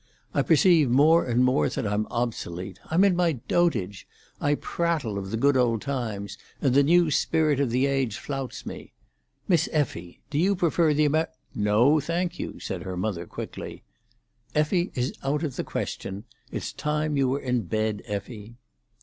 I perceive more and more that I'm obsolete. I'm in my dotage; I prattle of the good old times, and the new spirit of the age flouts me. Miss Effie, do you prefer the Amer——" "No, thank you," said her mother quickly. "Effie is out of the question. It's time you were in bed, Effie."